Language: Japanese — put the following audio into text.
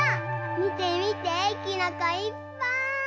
みてみてきのこいっぱい！